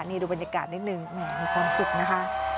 นี่ดูบรรยากาศนิดนึงแหมมีความสุขนะคะ